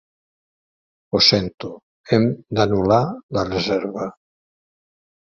Ho sento, hem d'anul·lar la reserva.